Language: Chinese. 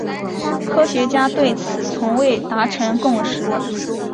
科学家对此从未达成共识。